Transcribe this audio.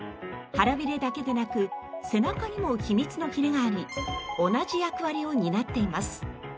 腹ビレだけでなく背中にも秘密のヒレがあり同じ役割を担っています。